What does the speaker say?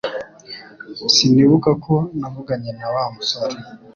Sinibuka ko navuganye na Wa musore